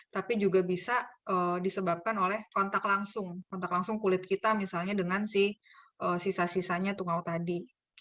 tapi juga bisa disebabkan oleh kontak langsung kontak langsung kulit kita misalnya dengan sisa sisanya tungau tadi